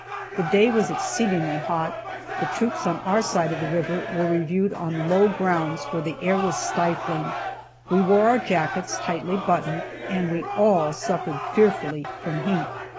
The day was exceedingly hot, the troops on our side of the river were reviewed on low grounds where the air was stifling, we wore our jackets tightly buttoned, and we all suffered fearfully from heat.